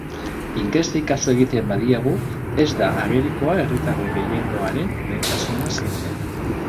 Inkestei kasu egiten badiegu, ez da agerikoa herritarren gehiengoaren lehentasuna zein den.